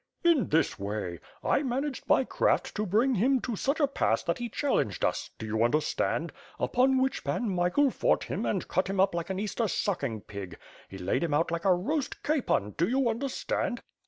"In this way. I managed by craft, to bring him to such a pass that he challenged us— do you understand? upon which Pan Michael fought him and cut him up like an Easter sucking pig; he laid him out like a roast capon — do you un derstand?"